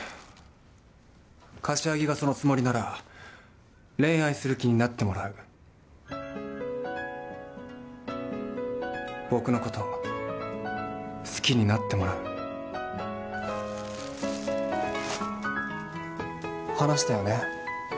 柏木がそのつもりなら恋愛する気になってもらう僕のこと好きになってもらう話したよね